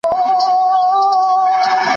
تېروتنې په ژوند کي تکراریږي.